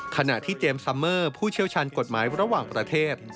ขณะที่เจมสัมเมอร์ผู้เชี่ยวชาญกฎหมายระหว่างประเทศ